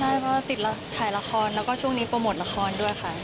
ใช่เพราะติดถ่ายละครแล้วก็ช่วงนี้โปรโมทละครด้วยค่ะ